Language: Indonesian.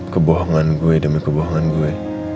kebohongan gue demi kebohongan gue